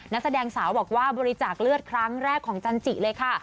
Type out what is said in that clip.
นักแสดงสาวบอกว่าบริจาคเลือดครั้งแรกของจันจิเลยค่ะ